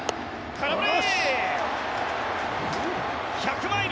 空振り！